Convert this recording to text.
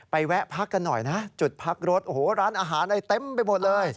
แวะพักกันหน่อยนะจุดพักรถโอ้โหร้านอาหารอะไรเต็มไปหมดเลย